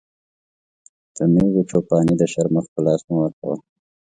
د مېږو چو پاني د شرمښ په لاس مه ورکوه.